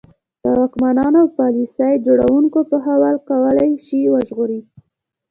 د واکمنانو او پالیسي جوړوونکو پوهول کولای شي وژغوري.